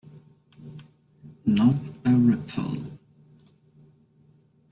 Not a ripple.